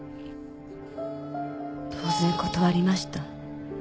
当然断りました。